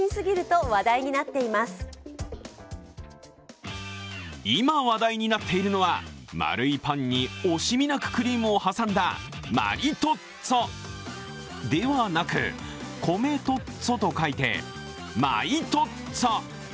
今、話題になっているのは丸いパンに惜しみなくクリームを挟んだマリトッツォではなく米トッツォと書いて米トッツォ。